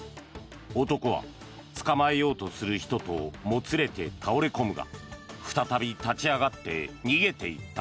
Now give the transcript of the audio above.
男は捕まえようとする人ともつれて倒れ込むが再び立ち上がって逃げていった。